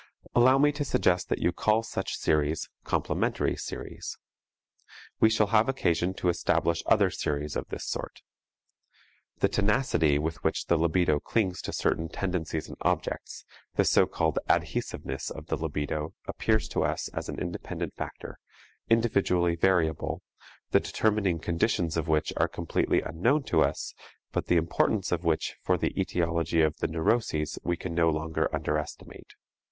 Allow me to suggest that you call such series complementary series. We shall have occasion to establish other series of this sort. The tenacity with which the libido clings to certain tendencies and objects, the so called adhesiveness of the libido, appears to us as an independent factor, individually variable, the determining conditions of which are completely unknown to us, but the importance of which for the etiology of the neuroses we can no longer underestimate.